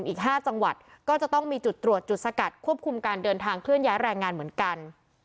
อีก๕จังหวัดก็จะต้องมีจุดตรวจจุดสกัดควบคุมการเดินทางเคลื่อนย้ายแรงงานเหมือนกัน